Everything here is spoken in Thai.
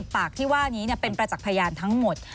ปากที่ว่านี้เป็นประจักษ์พยานทั้งหมด